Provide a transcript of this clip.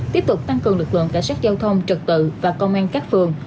tiếp tục tăng cường lực lượng cả sát giao thông trực tự và công an các phường